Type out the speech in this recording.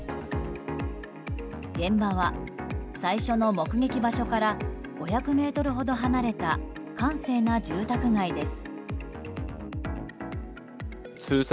現場は最初の目撃場所から５００ｍほど離れた閑静な住宅街です。